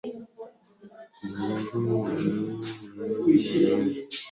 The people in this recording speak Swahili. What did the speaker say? Mkoa wa Manyara Sekretarieti za Mikoa zilianzishwa kwa mujibu wa sheria